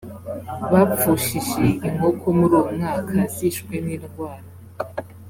bapfushije inkoko muri uwo mwaka zishwe n indwara